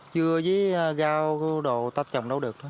dưa với gao đồ tách trồng đâu được